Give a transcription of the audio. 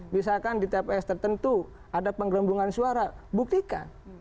misalkan di tps tertentu ada penggelembungan suara buktikan